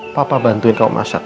papa bantuin kamu masak